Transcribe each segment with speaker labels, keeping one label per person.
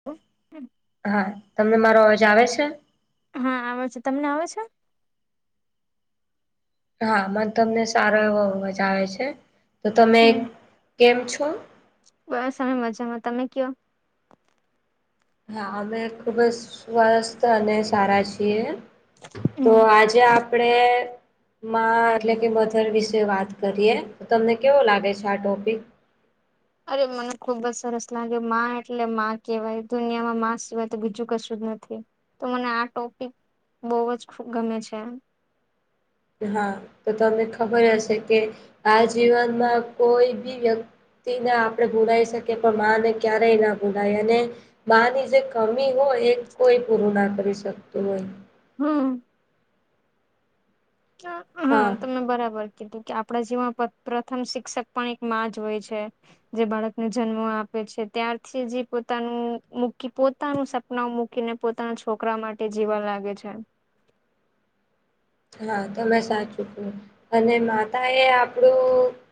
Speaker 1: [inaudible]
Speaker 2: હા તમને મારો અવાજ આવે છે.
Speaker 1: હા આવે છે તમને આવે છે.
Speaker 2: હા મન તમને સારો એવો અવાજ આવે છે તો તમે
Speaker 1: હમ
Speaker 2: કેમ છો.
Speaker 1: બસ અમે મજામાં તમે કયો.
Speaker 2: હા અમે ખુબ જ સ્વસ્થ અને સારા છીએ તો
Speaker 1: હમ
Speaker 2: આજ જે આપડે માઁ એટલે કે મધર વિશે વાત કરીએ તો તમને કેવો લાગે છે આ ટોપિક?
Speaker 1: અરે મને ખુબ જ સરસ લાગે માઁ એટલે માઁ હેવાય દુનિયામાં માઁ સિવાય તો બીજું કશું જ નથી. તો મને આ ટોપિક બહુ જ ગમે છે.
Speaker 2: હા તો તમને ખબર હશે કે આ જીવનમાં કોઈ બી વ્યક્તિ તી ના આપણે ભૂલાવી શકીએ પણ માને ક્યારેય ના ભૂલાય અને માં ની જે કમી હોય એ કોઈ પૂરું ના કરી શકતું હોય.
Speaker 1: હમ. હા તમે બરાબર! કેટું કે આપણા જીવનમાં પત્ર પ્રથમ શિક્ષક પણ એક માં જ હોય છે. જે બાળકને જન્મ આપે છે ત્યારથી જ ઈ પોતાનું મૂકી પોતાનું સપના મૂકીને પોતાના છોકરા માટે જીવા લાગે છે.
Speaker 2: હા તમે સાચું કિધું, અને માતા એ આપડું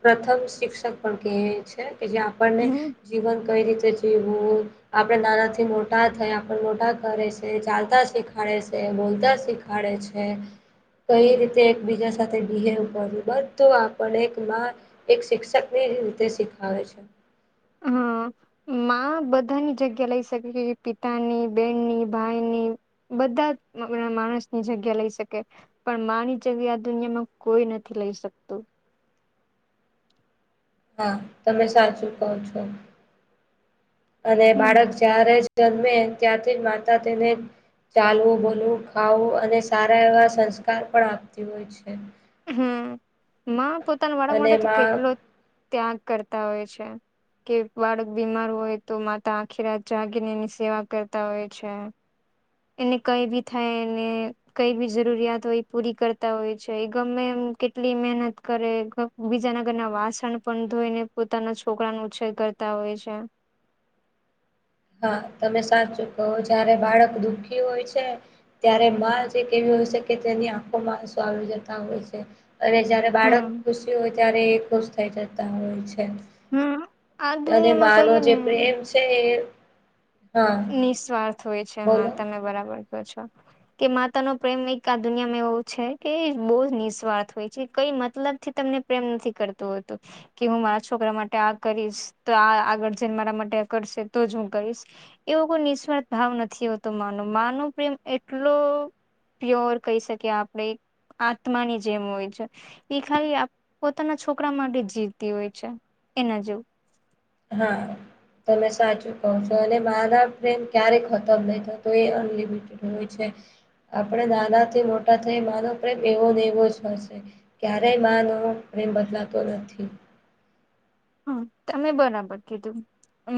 Speaker 2: પ્રથમ શિક્ષક પણ કહે છે કે જે આપણને
Speaker 1: હમ
Speaker 2: જીવન કઈ રીતે જીવવું હો આપડ નાના થી મોટા થયા આપ મોટા કરે છે ચાલતા શીખાડે છે બોલતા શીખ ખવાડે છે. કઈ રીતે એકબીજા સાથે બિહેવ કરવું બધું આપડે એક માં એક શિક્ષક ની રીતે શીખાવે છે.
Speaker 1: હા આ. માં બધાની જગ્યા લઈ શકે છે પિતાની બેનની ભાઈની બધા [inaudible] માણસની જગ્યા લઈ શકે. પણ માની જગ્યા આ દુનિયામાં કોઈ નથી લઈ શકતું.
Speaker 2: હા તમે સાચું કહ છો, અને
Speaker 1: હમ
Speaker 2: બાળક જ્યારે જ જન્મે ત્યારથી માતા તેને ચાલવું બોલવું ખાવું અને સારા એવા સંસ્કાર પણ આપતી હોય છે.
Speaker 1: હમ માં પોતાના વાળા
Speaker 2: અને
Speaker 1: માટે તો
Speaker 2: માં
Speaker 1: કેટલો ત્યાગ કરતા હોય છે. કે બાળક બીમાર હોય તો માતા આખી રાત જાગીને એની સેવા કરતા હોય છે. એને કઈ બી થાયને કઈ બી જરૂરિયાત હોય એ પૂરી કરતા હોય છે ગમે એ કેટલી મહેનત કરે બીજા ના ઘરના વાસણ પણ ધોઈને પોતાના છોકરાનો ઉછેર કરતા હોય છે.
Speaker 2: હા તમે સાચું કહો જયારે બાળક દુઃખી હોય છે ત્યારે માં જ એક એવી હોય છે કે તેની આંખો આંસુ આવી જતા હોય છે અને જારે બાળક
Speaker 1: હમ
Speaker 2: ખુશી હોય ત્યારે એક થ જતા હોય છે
Speaker 1: હમ આ
Speaker 2: અને
Speaker 1: દુનિયામાં
Speaker 2: માનો
Speaker 1: કહીએ
Speaker 2: જે
Speaker 1: ને
Speaker 2: પ્રેમ છે એ હા
Speaker 1: નિસ્વાર્થ હોય છે
Speaker 2: બોલો
Speaker 1: હા તમે બરાબર કો છો. કે માતા નો પ્રેમ એક આ દુનિયામાં એવો છે કે બહુ જ નિસ્વાર્થ હોય છે કઈ મતલબથી તમને પ્રેમ નથી કરતું હોતું. કે હું મારા છોકરા માટે આ કરીશ તો આગાર જઈ ને મારા માટે કરશે તો જ હું કરીશ એવો કોઈ નિસ્વાર્થ ભાવ નથી હોતો માનો મા ન પ્રેમ એટલો પ્યોર કહી શકીએ આપણે આત્માની જેમ હોય છે. એ ખાલી પોતાના છોકરા માટે જ જીવતી હોય છે એના જેવું
Speaker 2: હા. તમે સાચું કહો છો, અને મારા પ્રેમ ક્યારેય ખતમ નહી થતો એ અનલિમિટેડ હોય છે. આપણે નાના થી મોટા થઈ માનો પ્રેમ એવો ને એવો જ હોય શે. ક્યારેય માં નો પ્રેમ બદલાતો નથી.
Speaker 1: હમ તમે બરાબર કીધું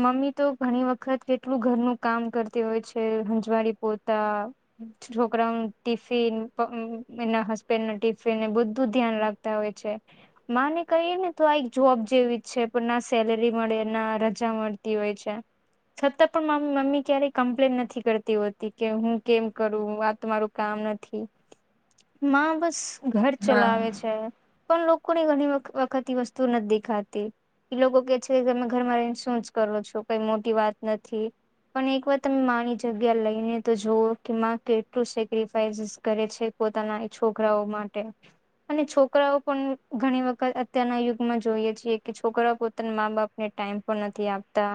Speaker 1: મમ્મી તો ઘણી વખત કેટલું ઘરનું કામ કરતી હોય છે સંજવાળી, પોતા, છોકરાઓ નું ટીફિન એના હસબેન્ડ ટિફિનને બધું ધ્યાન રાખતા હોય છે. માં ને કહી ને તો આ એક જોબ જેવી છે. છે પણ ના સેલેરી મળે ના રજા મળતી હોય છે. છતાં પણ મમ્મી ક્યારેય કમ્પ્લેન નથી કરતી હોતી કે હું કેમ કરું આ મારું કામ નથી માં બસ ઘર
Speaker 2: હા
Speaker 1: ચલાવે છે પણ લોકો ને ઘણી વખત વસ્તુ નથી દેખાતી એ લોકો કે છે તમે ઘરમાં રહીને શું જ કરો છો? કઈ મોટી વાત નથી. પણ એક વાર તમે માની જગ્યા લઈને તો જુવ કે માં કેટલું સેક્રિફાઈસ કરે છે. પોતાના છોકરાઓ માટે અને છોકરાઓ પણ ઘણી વખત અત્યારના યુગમાં જોઈએ છીએ કે છોકરાઓ પોતાના મા બાપને ટાઈમ પણ નથી આપતા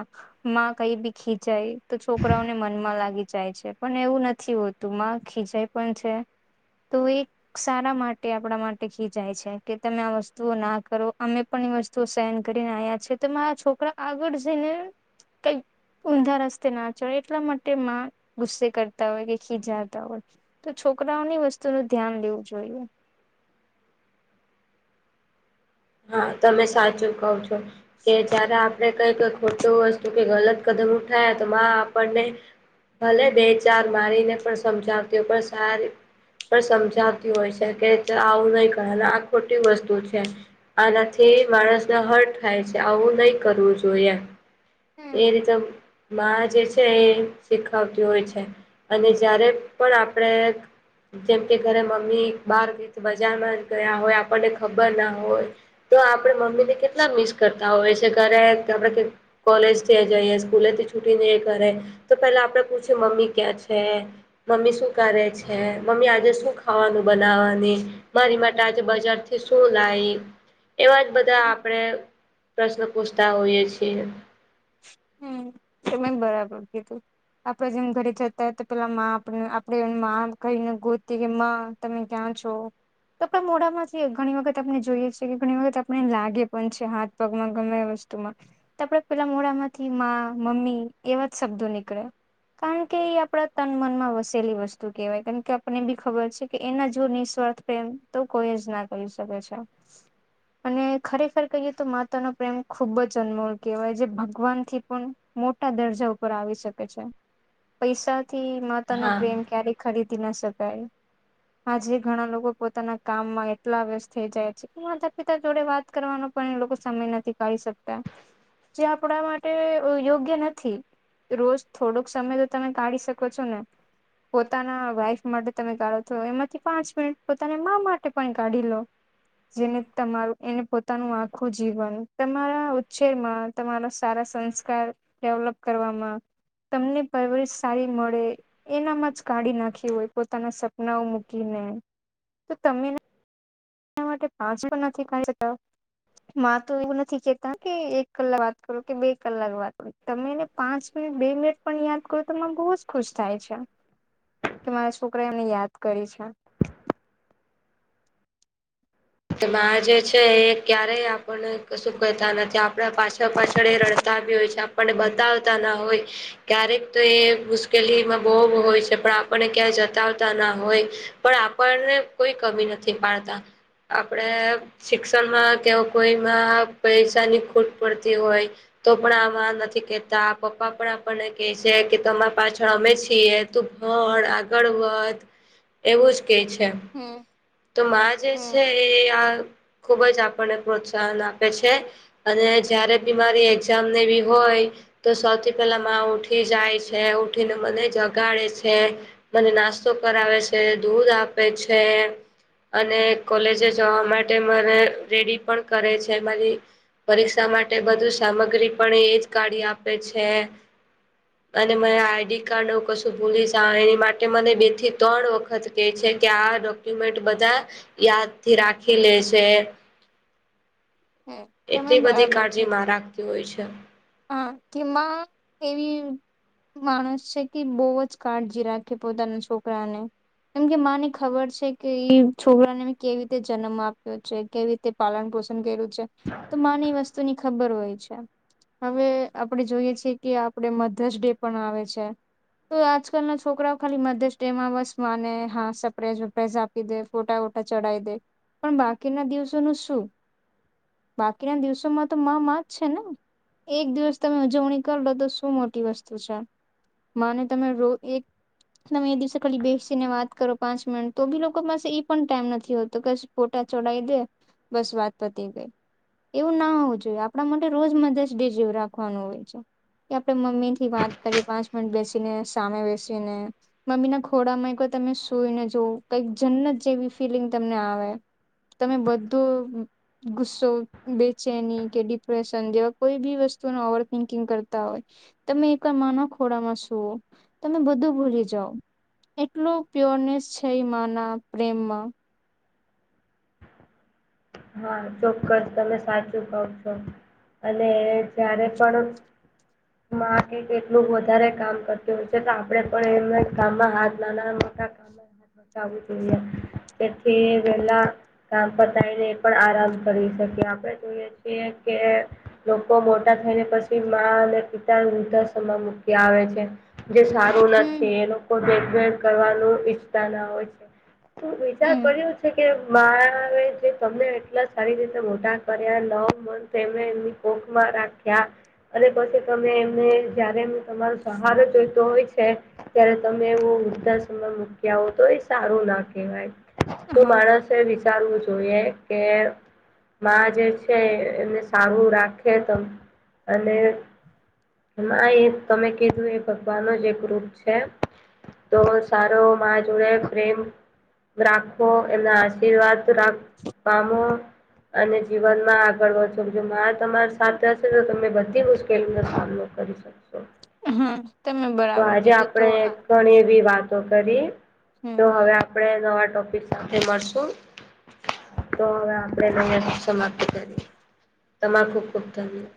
Speaker 1: માં કઈ બી ખીજાય તો છોકરાઓને મનમાં લાગી જાય છે પણ એવું નથી હોતું માં ખીજાય પણ છે તો એ સારા માટે આપણા માટે ખીજાય છે કે તમે આ વસ્તુઓ ના કરો અમે પણ એ વસ્તુ સહન કરીને આવ્યા છીએ તો મારા છોકરા આગળ જઈને કંઈક ઊંધા રસ્તે ના ચડે એટલા માટે માં ગુસ્સે કરતા હોય કે ખીજાતા હોય તો છોકરાઓની વસ્તુ નું ધ્યાન લેવું જોઈએ
Speaker 2: હા તમે સાચું કહો છો કે જયારે આપડે કઈ કઈ ખોટું વસ્તુ કે ગલત કદમ ઉઠાયા તો માં આપણને ભલે બે ચાર મારીને પણ સમજાવતી હો પણ સારી પણ સમજાતી હોય છે કે આવું નહી કરે આ ખોટી વસ્તુ છે. આનાથી માણસને હર્ટ થાય છે આવું નહી કરવું જોઈએ એમ
Speaker 1: હમ
Speaker 2: એ રીતે માં જે છે એ શીખવતી હોય છે અને જ્યારે પણ આપણે જેમ કે ઘરે મમ્મી બહાર બજારમાં જ ગયા હોય આપણને ખબર ના હોય તો આપે મમ્મીને કેટલા મિસ કરતા હોય છે ઘરે આપણે કોલેજ થી જઈએ સ્કૂલે થી છુટી નહી કરે તો પેલા આપડે પૂછી મમ્મી ક્યાં છે? મમ્મી શું કરે છે મમ્મી આજે શું ખાવાનું બનાવાની? મારી માટે આજે બજાર થી શું લાયી એવા જ બધા
Speaker 1: હમ
Speaker 2: આપણેે પ્રશ્ન પૂછતા હોઈએ છીએ.
Speaker 1: હમ તમે બરાબર કીધું આપડે જેમ ઘરે જતા હોય તો પેલા આપણે માં કઈને ગોતી કે તમે ક્યાં છો? તો આપણે મોઢામાંથી ઘણી વખત આપણે જોઈએ છીએ કે ઘણી વખત આપણે લાગે પણ છે હાથ પગમાં ગમે એ વસ્તુમાં તો આપડે પેલા મોઢા માંથી માં મમ્મી એવા જ શબ્દો નીકળે કારણ કે એ આપડા તન મનમાં વસેલી વસ્તુ કહેવાય કેમ કે આપને બી ખબર છે કે એના જો નિસ્વાર્થ પ્રેમ તો કોઈ જ ના કહી શકે છે.
Speaker 2: [inaudible]
Speaker 1: અને ખરેખર કહીએ તો માતાનો પ્રેમ ખુબ જ અનમોલ કહેવાય જે ભગવાન થી પણ મોટા દર્જા ઉપર આવી શકે છે પૈસાથી મા તા નો
Speaker 2: હા
Speaker 1: પ્રેમ ક્યારે ખરીદી ના શકાય આજે ઘણા લોકો પોતાના કામમાં એટલા વ્યસત થઈ જાય છે કે માતા પિતા જોડે વાત કરવાનો પણ એ લોકો સમય નથી કાઢી શકતા આપડા માટે યોગ્ય નથી રોજ થોડોક સમય તો તમે કાઢી શકો છો ને પોતાના વાઈફ માટે તમે કાઢો તો એમાંથી પાંચ મિનિટ પોતાના મા માટે પણ કાઢી લો. જેને તમારું એને પોતાનું આખું જીવન તમારા ઉ્છેર માં તમારા સારા સંસ્કાર ડેવલપ કરવામાં તમને પરવરશ સારી મળે. એનામાં જ કાઢી નાખી હોય પોતાના સપનાઓ મૂકીને. તો તમે એના માટે પાછ નથી કાઢી શકતા માં તો એવું નથી કેતા કે એક કલાક વાત કરો કે બે કલાક વાત કર તમે એને પાંચ મિનિટ બે મિનિટ પણ યાદ કરો તો મને બહુ જ ખુશ થાય છે.
Speaker 2: [inaudible]
Speaker 1: કે મારા છોકરા એમને યાદ કરી છે.
Speaker 2: મા જે છે એ ક્યારેય આપણ કશું કહેતા નથી. આપ આપ પાછળ પાછળ રડતા બી હોય છે. આપણને બતાવતા ના હોય. ક્યારેક તો એ મુશ્કેલીમાં બહુ હોય છે. પણ આપણને ક્યાંય જતાવતા ના હોય. પણ આપણને કોઈ કમી નથી પાડતા. આપણે શિક્ષણમાં કેવ કોઈમાં પૈસાની ખૂટ પડતી હોય તો પણ આમાં નથી કેતા પપ્પા પણ આપણને કેહે છે કે તમારા પાછળ અમે છીએ. તું ભણ આગળ વધ એવું જ કે છે.
Speaker 1: હમ્મ.
Speaker 2: તો માં જે છે, એ આ ખુબ જ આપણને પ્રોત્સાહન આપે છે. અને જયારે બી મારી એક્ઝામ ને એવી હોય. તો સૌથી પેલા મા ઉઠી જાય છે. ઉઠીને મને જગાડે છે. મને નાસ્તો કરાવે છે, દૂધ આપે છે. અને કોલેજે જવા માટે મને રેડી પણ કરે છે, મારી. પરીક્ષા માટે બધું સામગ્રી પણ એજ કાઢી આપે છે. અને મને આઈડી કાર્ડ ન કશું ભૂલી જા એની માટે મને બે થી ત્રણ વખત. કે આ ડોક્યુમેન્ટ બધા યાદથી રાખી લે છે.
Speaker 1: હમ તમે
Speaker 2: એટલી બધી
Speaker 1: બરાબર
Speaker 2: કાળજી
Speaker 1: કીધું
Speaker 2: માં રાખતી હોય છે.
Speaker 1: હા કે મા એવી. [unintelligible] છે, કે બહુ જ કાળજી રાખે પોતાના છોકરાને. કેમ કે માને ખબર છે, કે ઈ છોકરાને મેં કેવી રીતે જન્મ આપ્યો છે, કેવી રીતે. તે પાલન પોષણ કર્યું છે, તો માને એ વસ્તુની ખબર હોય છે. હવે આપણેે જોઈએ છીએ કે આપડે મધર્સ ડે પણ આવે છે. તો આજકાલ ના છોકરાઓ ખાલી મધસ ડે માં બસ માને હા સપ્રઝ વપરાઝ આપ. દે ફોટા વોટા ચઢાવી દે પણ બાકીના દિવસોનું શું? બાકીના દિવસોમાં તો મા માં જ છે, ને. એક દિવસ તમે ઉજવણી કર લો તો શું મોટી વસ્તુ છે, માને તમે રો એક. તમે એ દિવસે ખાલી બેસી ને વાત કરો પાંચ મિનટ તો બી લોકો પાસે એ પણ ટાઈમ નથી હોતો ફોટા ચોડાઈ દે બસ વાત પતી ગઈ એવું ના હોવું જોઈએ આપણા માટે રોજ મધર્સ. ડે જેવો રાખવાનું હોય છે. કે આપડે મમ્મી થી વાત કરીએ. પાંચ મિનિટ બેસીને સામે બેસીને. મમ્મી ના ખોડામાં કો તમે સુઈને જવું કઈક જન્નત જેવી ફીલિંગ તમને આવે. તમે બધો ગુસ્સો, બેચેની કે ડિપ્રેશન જેવા. કોઈ બી વસ્તુ ન ઓવર થિન્કિંગ કરતા હોય. તમે એક માના ખોડામાં શુઓ તમે બધું ભૂલી જાવ. એટલો પ્યોરનેસ છે, એ માના પ્રેમમાં.
Speaker 2: હા ચોક્કસ તમે સાચું કવ છો અને જયારે પણ. મા કે કેટલુંક વધારે કામ કરતી હોય છે, તો આપડે પણ એમના કામમાં હાથ નાના મોટા. [unintelligible] જોઈએ તેથી વેલા કામ પતાયને. પણ આરામ કરી શકે આપણે જોઈએ છીએ કે. લોકો મોટા થઈ ને પછી મા અને પિતા વૃદ્ધાશ્રમમાં મૂકી આવે છે. જે સારું
Speaker 1: હમ
Speaker 2: નથી એ લોકો દેખ રેખ કરવાનું ઈચ્છતા ના હોય છે, વિચાર
Speaker 1: હમ
Speaker 2: કર્યો છે, કે મારા વિશે. તમને એટલા સારી રીતે મોટા કર્યા નો મને એમને કોખમાં રાખ્યા. અને પછી તમે એમને જયારે એમ તમારો સહારો જોઈતો હોય છે. ત્યારે તમે એવો વૃદ્ધાશ્રમમાં મૂક્યા આવો તો એ સારું ના કહેવાય. તો
Speaker 1: હા
Speaker 2: માણસે વિચારવું જોઈએ કે. કારણ કે જે એમને સારું રાખે તે અને. એમ એ તમે કીધું કે એ ભગવાન નો જ એક રૂપ છે. તો સારો માર્ગ જોડ એમ. રાખો એમના આશીર્વાદ રાખ પામો. અને જીવનમાં આગળ વધશો જો મા તમારી સાથે હશે તો તમે બધી મુશ્કેલીનો સામનો કરી શકો. [unintelligible]
Speaker 1: હમ્મ તમે બરાબર કીધું તો આ.
Speaker 2: ઘણી એવી વાતો કરી
Speaker 1: હમ
Speaker 2: તો હવે આપણે નવા ટોપિક સાથે મળશું. તો હવે આપણે સમાપ્ત કરી તમારો ખૂબ ખૂબ ધન્યવાદ.